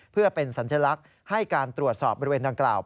เพื่อเป็นสัญลักษณ์ให้การตรวจสอบบริเวณดังกล่าว